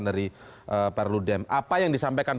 dari pak rudem apa yang disampaikan